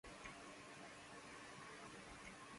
Hitler le otorgó la Cruz de Hierro por sus esfuerzos.